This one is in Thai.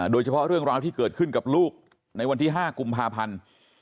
โดยเฉพาะเรื่องราวที่เกิดขึ้นกับลูกในวันที่๕กุมภาพันธ์